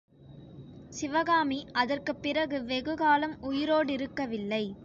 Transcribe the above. சிவகாமி அதற்குப் பிறகு வெகுகாலம் உயிரோடிருக்கவில்லை.